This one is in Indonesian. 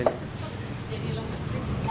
jadi lemes saya